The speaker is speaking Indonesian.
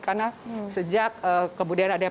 karena sejak kebudayaan